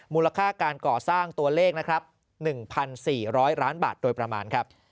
มูลค่าการก่อสร้างตัวเลขนะครับ๑๔๐๐ล้านบาทโดยประมาณครับ